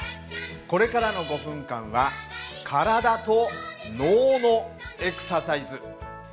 これからの５分間は体と脳のエクササイズ。